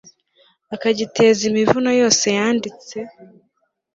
akagiteza imivumo yose yanditse